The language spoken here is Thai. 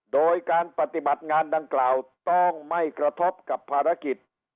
โดยการปฏิบัติงานดังกล่าวต้องไม่กระทบกับภารกิจ